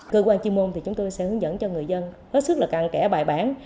cơ quan chuyên môn thì chúng tôi sẽ hướng dẫn cho người dân rất sức là càng kẻ bài bản